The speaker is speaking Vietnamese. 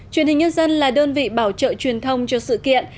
truyền hình nhân dân là đơn vị bảo trợ truyền thông cho sự kiện